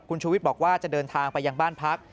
คุณชูวิทย์บอกว่าจะเดินทางไปยังบ้านพัก